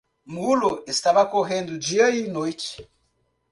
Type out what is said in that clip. Mulo estava correndo dia e noite.